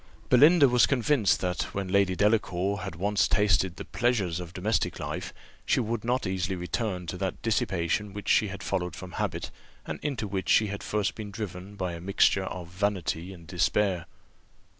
Belinda was convinced that, when Lady Delacour had once tasted the pleasures of domestic life, she would not easily return to that dissipation which she had followed from habit, and into which she had first been driven by a mixture of vanity and despair.